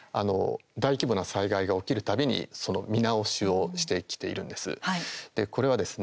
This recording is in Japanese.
大規模な災害が起きる度にその見直しをしてきているんです。